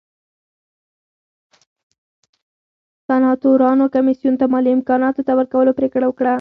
سناتورانو کمېسیون ته مالي امکاناتو نه ورکولو پرېکړه وکړه